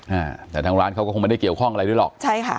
อ่าแต่ทางร้านเขาก็คงไม่ได้เกี่ยวข้องอะไรด้วยหรอกใช่ค่ะ